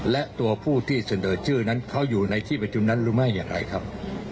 และตัวผู้ที่เสนอชื่อนั้นเขาอยู่ในที่ประชุมนั้นหรือไม่อย่างไรครับ